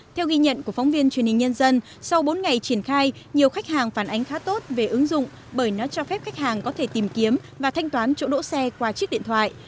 theo ghi nhận của phóng viên truyền hình nhân dân sau bốn ngày triển khai nhiều khách hàng phản ánh khá tốt về ứng dụng bởi nó cho phép khách hàng có thể tìm kiếm và thanh toán chỗ đỗ xe qua chiếc điện thoại